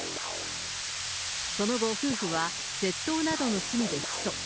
その後、夫婦は窃盗などの罪で起訴。